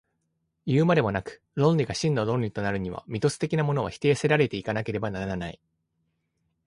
いうまでもなく、論理が真の論理となるには、ミトス的なものは否定せられて行かなければならない。